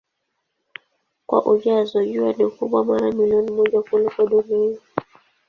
Kwa ujazo Jua ni kubwa mara milioni moja kuliko Dunia.